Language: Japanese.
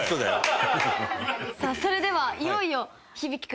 さあそれではいよいよ。